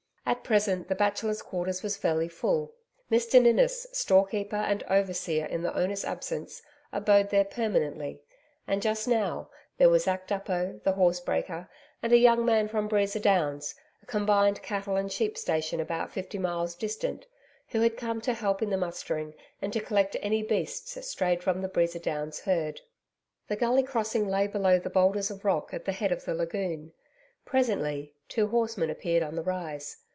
At present the Bachelors' Quarters was fairly full. Mr Ninnis, store keeper and overseer in the owner's absence, abode there permanently, and just now, there were Zack Duppo, the horse breaker, and a young man from Breeza Downs a combined cattle and sheep station about fifty miles distant who had come to help in the mustering and to collect any beasts strayed from the Breeza Downs' herd. The gully crossing lay below the boulders of rock at the head of the lagoon. Presently, two horsemen appeared on the rise.